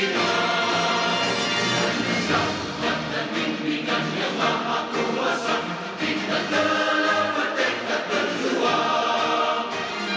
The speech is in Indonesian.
menjaga kemimpinan yang maha kuasa kita telah bertekad berjuang